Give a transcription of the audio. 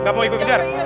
nggak mau ikut kejar